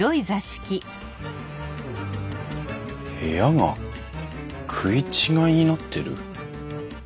部屋が食い違いになってる。